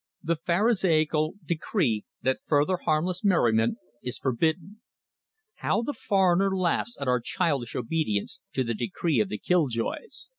the pharisaical decree that further harmless merriment is forbidden. How the foreigner laughs at our childish obedience to the decree of the killjoys.